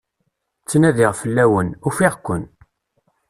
Ttnadiɣ fell-awen, ufiɣ-ken.